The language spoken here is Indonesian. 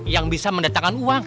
yang bisa mendatangkan uang